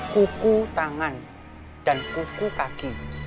kuku tangan dan kuku kaki